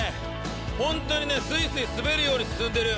ホントにねスイスイ滑るように進んでる